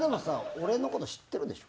俺のこと知ってるでしょ？